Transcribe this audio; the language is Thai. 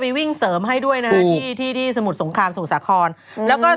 แม่หนูใช้หมวกเว้อเว่อแล้วค่ะ